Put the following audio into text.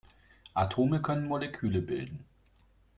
Atome können Moleküle bilden.